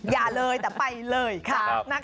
อย่าเลยแต่ไปเลยค่ะ